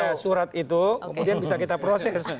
ada surat itu kemudian bisa kita proses